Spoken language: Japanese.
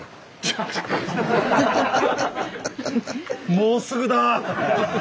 もうすぐだ。